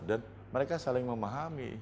dan mereka saling memahami